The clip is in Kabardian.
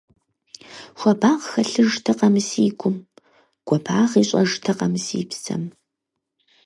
Хуабагъ хэлъыжтэкъэ мы си гум, гуапагъ ищӀэжтэкъэ мы си псэм?